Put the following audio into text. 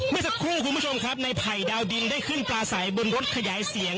เมื่อสักครู่คุณผู้ชมครับในไผ่ดาวดินได้ขึ้นปลาใสบนรถขยายเสียง